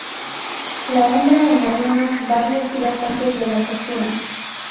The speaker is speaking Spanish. La hembra en ayunas varios días antes de la postura.